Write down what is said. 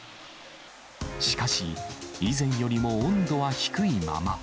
しかし、以前よりも温度は低いまま。